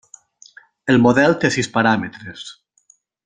El model té sis paràmetres.